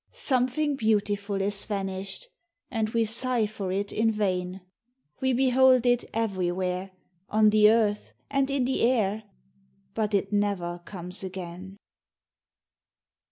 Something beautiful is vanished, And we sigh for it in vain; We behold it everywhere, On the earth, and in the air. Hut it never comes again.